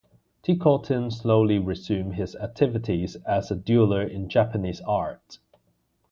Tikotin slowly resumed his activities as a dealer in Japanese art.